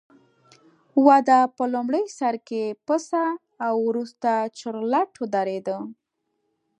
وده په لومړي سر کې پڅه او وروسته چورلټ ودرېده